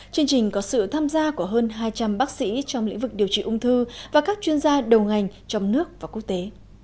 chương trình có sự tham gia của hơn hai trăm linh bác sĩ trong lĩnh vực điều trị ung thư và các chuyên gia đầu ngành trong nước và quốc tế